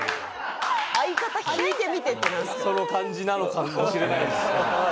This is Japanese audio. その感じなのかもしれないです。